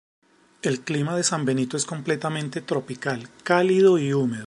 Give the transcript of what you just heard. El clima de San Benito es completamente tropical, cálido y húmedo.